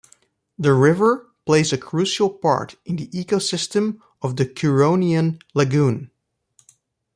The river plays a crucial part in the ecosystem of the Curonian Lagoon.